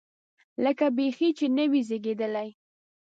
لکه بیخي چې نه وي زېږېدلی.